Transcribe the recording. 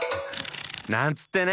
なんつってね！